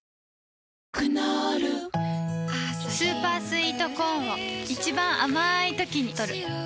クノールスーパースイートコーンを一番あまいときにとる